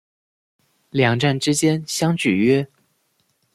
两站之间相距约。